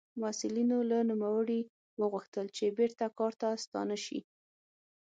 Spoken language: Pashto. مسوولینو له نوموړي وغوښتل چې بېرته کار ته ستانه شي.